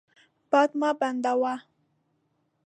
باد مه بندوه.